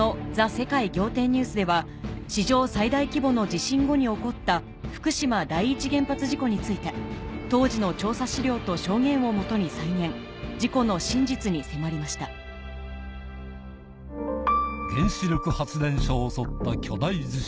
世界仰天ニュース』では史上最大規模の地震後に起こった福島第一原発事故について当時の調査資料と証言を基に再現事故の真実に迫りました原子力発電所を襲った。